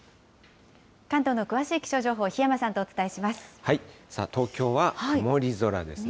関東の詳しい気象情報、檜山さんとお伝えします。